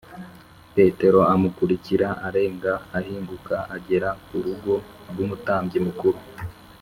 Petero amukurikira arenga ahinguka agera ku rugo rw’Umutambyi mukuru